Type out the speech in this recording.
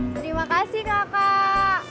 terima kasih kakak